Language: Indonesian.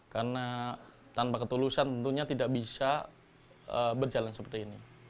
karena tanpa ketulusan tentunya tidak bisa berjalan seperti ini